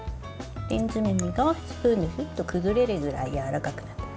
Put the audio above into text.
レンズ豆がスプーンでふっと崩れるぐらいやわらかくなって。